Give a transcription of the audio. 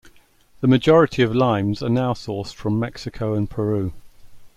The majority of limes are now sourced from Mexico and Peru.